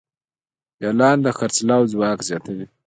اعلان د خرڅلاو ځواک زیاتوي.